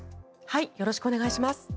よろしくお願いします。